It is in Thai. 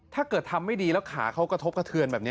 ถ้าเกิดทำไม่ดีแล้วขาเขากระทบกระเทือนแบบนี้